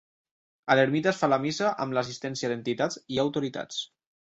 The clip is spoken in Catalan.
A l'ermita es fa la missa amb l'assistència d'entitats i autoritats.